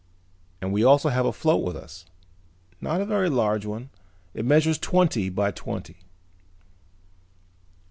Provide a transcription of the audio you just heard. And we also have a float with us. Not a very large one. It measures twenty by twenty."